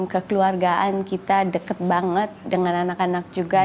kekeluargaan kita deket banget dengan anak anak juga